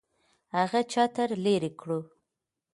هغه چتر لري کړو.